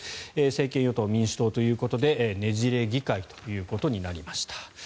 政権与党、民主党ということでねじれ議会ということになりました。